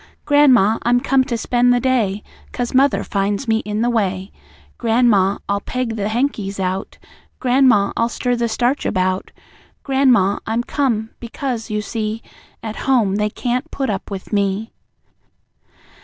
"Gran'ma, I'm come to spend the day, 'Cause mother finds me in the way. Gran'ma, I'll peg the hankies out; Gran'ma, I'll stir the starch about; Gran'ma, I'm come, because, you see, At home, they can't put up with me."